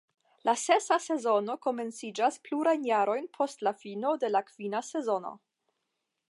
La sesa sezono komenciĝas plurajn jarojn post la fino de la kvina sezono.